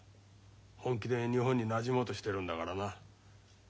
本気で日本になじもうとしてるんだからな。